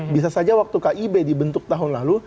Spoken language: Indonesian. bisa saja waktu kib dibentuk tahun lalu